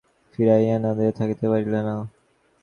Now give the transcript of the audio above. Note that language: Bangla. সে আজ অনেক সহিয়াছে, কিছু ফিরাইয়া না দিয়া থাকিতে পারিল না।